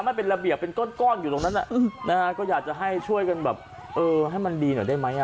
มันเป็นระเบียบเป็นก้อนอยู่ตรงนั้นก็อยากจะให้ช่วยกันแบบเออให้มันดีหน่อยได้ไหม